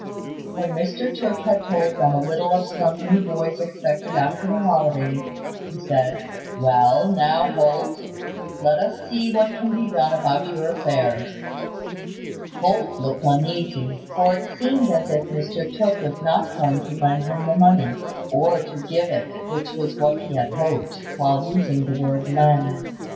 When Mr Tooke had told them a little of some new boys expected after the holidays, he said: "Well, now, Holt, let us see what can be done about your affairs." Holt looked uneasy; for it seemed as if Mr Tooke was not going to lend him the money, or to give it, which was what he had hoped, while using the word "lend."